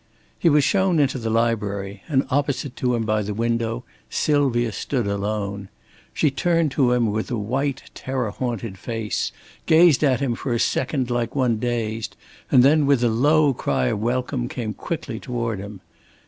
He was shown into the library, and opposite to him by the window Sylvia stood alone. She turned to him a white terror haunted face, gazed at him for a second like one dazed, and then with a low cry of welcome came quickly toward him.